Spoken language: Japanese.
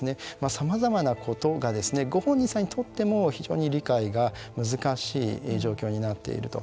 さまざまなことがご本人さんにとっても非常に理解が難しい状況になっていると。